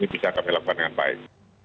ini bisa kami lakukan dengan baik